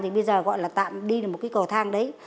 thì bây giờ gọi là tạm đi là một cái cầu thang đấy